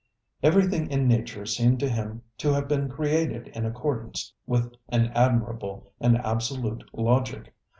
ŌĆØ Everything in nature seemed to him to have been created in accordance with an admirable and absolute logic.